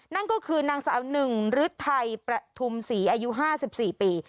นั่นก็คือนางสาวหนึ่งฤทัยประทุมศรีอายุ๕๔ปี